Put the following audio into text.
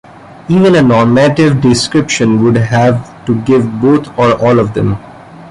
"Even a normative description would have to give both or all of them".